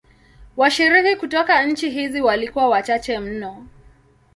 Washiriki kutoka nchi hizi walikuwa wachache mno.